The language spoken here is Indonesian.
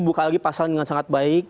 buka lagi pasar dengan sangat baik